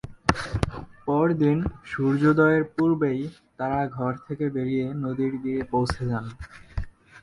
পরদিন সূর্যোদয়ের পূর্বেই তারা ঘর থেকে বেরিয়ে নদীর তীরে পৌঁছে যান।